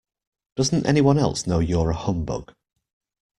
Doesn't anyone else know you're a humbug?